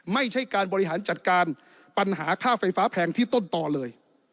ไม่ใช่การบริหารจัดการปัญหาค่าไฟฟ้าแพงที่ต้นต่อเลย